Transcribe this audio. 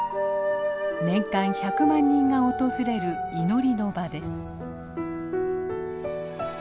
年間１００万人が訪れる祈りの場です。